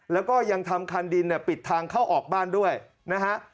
แล้วก็ยังทำคันดินเนี่ยปิดทางเข้าออกบ้านด้วยนะฮะ